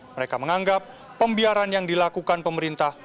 mereka menganggap pembiaran yang dilakukan pemerintah